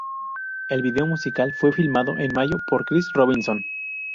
El video musical fue filmado en mayo por Chris Robinson.